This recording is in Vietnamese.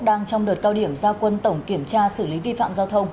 đang trong đợt cao điểm giao quân tổng kiểm tra xử lý vi phạm giao thông